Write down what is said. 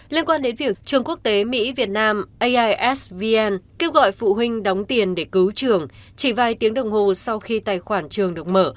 liên quan đến việc trường quốc tế mỹ việt nam aisvn kêu gọi phụ huynh đóng tiền để cứu trường chỉ vài tiếng đồng hồ sau khi tài khoản trường được mở